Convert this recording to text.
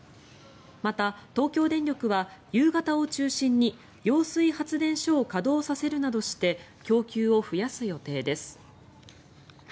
また、東京電力は夕方を中心に揚水発電所を稼働させるなどして供給を増やす予定です。